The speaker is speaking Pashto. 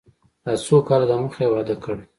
دا څو کاله د مخه يې واده کړى.